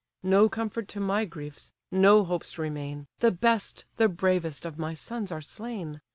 No comfort to my griefs, no hopes remain, The best, the bravest, of my sons are slain!